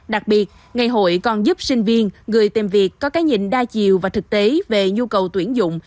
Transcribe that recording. đặc biệt ngày hội còn giúp sinh viên người tìm việc có cái nhìn đa chiều và thực tế về nhu cầu tuyển dụng